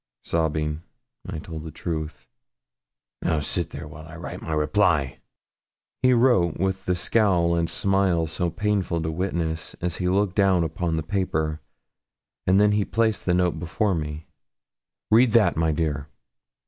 Sobbing, I told the truth. 'Now sit still, while I write my reply.' He wrote, with the scowl and smile so painful to witness, as he looked down upon the paper, and then he placed the note before me 'Read that, my dear.'